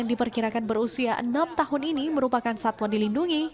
yang diperkirakan berusia enam tahun ini merupakan satwa dilindungi